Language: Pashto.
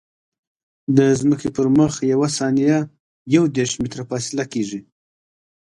د ځمکې پر مخ یوه ثانیه یو دېرش متره فاصله کیږي